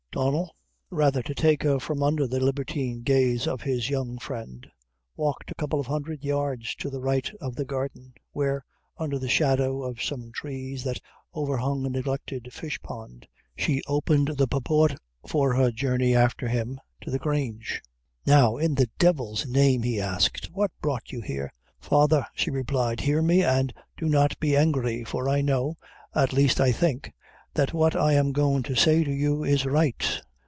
Donnel, rather to take her from under the libertine gaze of his young friend, walked a couple of hundred yards to the right of the garden, where, under the shadow of some trees that over hung a neglected fishpond, she opened the purport for her journey after him to the Grange. "Now, in the divil's name," he asked, "what brought you here?" "Father," she replied, "hear me, and do not be angry, for I know at laste I think that what I am goin' to say to you is right."